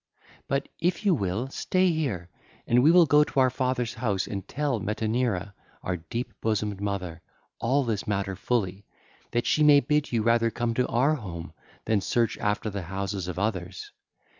But if you will, stay here; and we will go to our father's house and tell Metaneira, our deep bosomed mother, all this matter fully, that she may bid you rather come to our home than search after the houses of others.